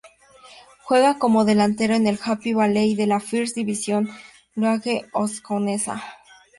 Juega como delantero en el Happy Valley de la First Division League hongkonesa.